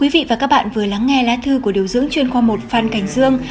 quý vị và các bạn vừa lắng nghe lá thư của điều dưỡng chuyên khoa một phan cảnh dương